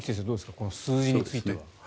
この数字については。